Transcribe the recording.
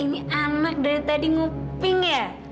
ini anak dari tadi nguping ya